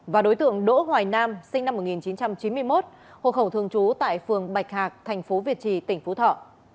và đối tượng đỗ hoài nam sinh năm một nghìn chín trăm chín mươi một hộ khẩu thường trú tại phường bạch hạc tp việt trì tỉnh phú thọ